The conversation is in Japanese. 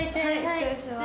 失礼します。